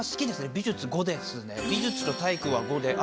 美術５ですね。